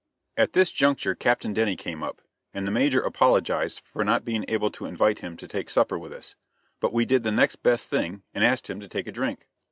At this juncture Captain Denny came up, and the Major apologized for not being able to invite him to take supper with us; but we did the next best thing, and asked him to take a drink.